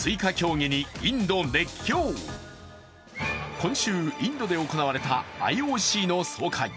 今週、インドで行われたＩＯＣの総会。